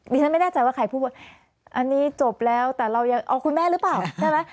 ฉันไม่แน่ใจว่าใครพูดว่าอันนี้จบแล้วแต่เรายังเอาคุณแม่หรือเปล่าใช่ไหม